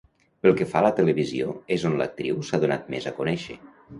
Pel que fa a la televisió és on l'actriu s'ha donat més a conèixer.